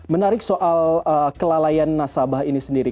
menarik soal kelalaian nasabah ini sendiri